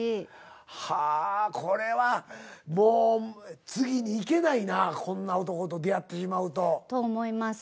はあこれはもう次に行けないなこんな男と出会ってしまうと。と思いますね。